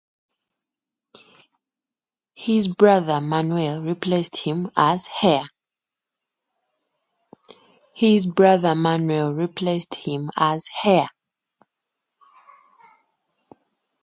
His brother Manuel replaced him as heir.